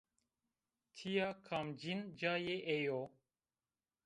Tîya kamcîn cayê ey o?